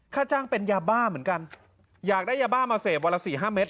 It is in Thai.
ค่าจ้างเป็นยาบ้าเหมือนกันอยากได้ยาบ้ามาเสพวันละสี่ห้าเม็